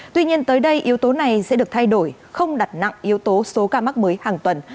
tuy nhiên tới đây yếu tố này sẽ được thay đổi không đặt nặng yếu tố số ca mắc mới hàng tuần